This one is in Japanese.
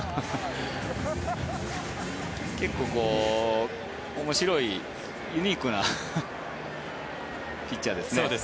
結構、面白いユニークなピッチャーですね。